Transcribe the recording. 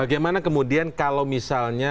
bagaimana kemudian kalau misalnya